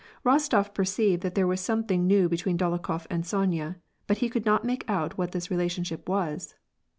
Bostof perceived that there was something new between Dolokhof and Sonya, but he could not make out what this re lationship was.